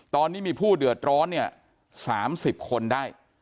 ตอนนี้มีผู้เดือดร้อนเนี่ย๓๐คนได้